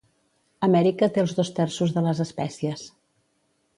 Amèrica té els dos terços de les espècies.